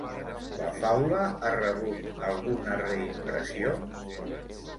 La Faula ha rebut alguna reimpressió?